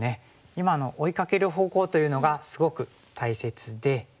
今の追いかける方向というのがすごく大切で。